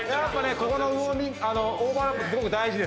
ここのオーバーラップすごく大事ですから。